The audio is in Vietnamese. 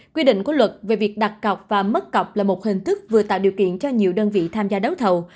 quy định của luật về việc đặt cọc và mất cọc là một hình thức vừa tạo điều kiện cho nhiều đơn vị tham gia đấu thầu